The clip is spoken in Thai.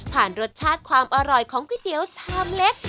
รสชาติความอร่อยของก๋วยเตี๋ยวชามเล็ก